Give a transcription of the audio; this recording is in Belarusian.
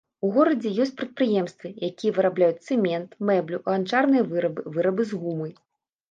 У горадзе ёсць прадпрыемствы, якія вырабляюць цэмент, мэблю, ганчарныя вырабы, вырабы з гумы.